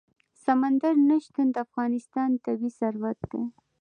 سمندر نه شتون د افغانستان طبعي ثروت دی.